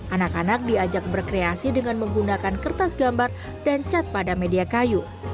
anak anak diajak berkreasi dengan menggunakan kertas gambar dan cat pada media kayu